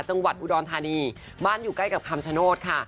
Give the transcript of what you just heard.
จังหวัดอุดรธานีบ้านอยู่ใกล้กับคำชโนธค่ะ